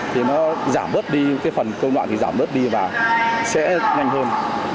thì nó giảm bớt đi cái phần công đoạn thì giảm bớt đi và sẽ nhanh hơn